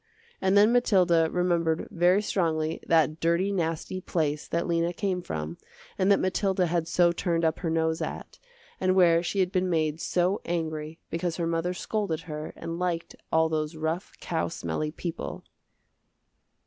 And then Mathilda remembered very strongly that dirty nasty place that Lena came from and that Mathilda had so turned up her nose at, and where she had been made so angry because her mother scolded her and liked all those rough cow smelly people.